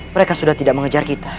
mereka sudah tidak mengejar kita